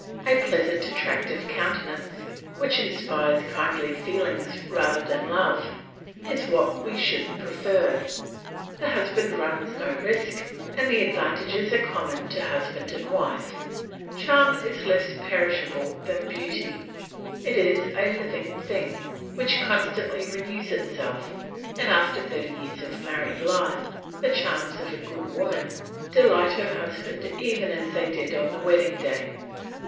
A pleasant attractive countenance, which inspires kindly feelings rather than love, is what we should prefer; the husband runs no risk, and the advantages are common to husband and wife; charm is less perishable than beauty; it is a living thing, which constantly renews itself, and after thirty years of married life, the charms of a good woman delight her husband even as they did on the wedding day.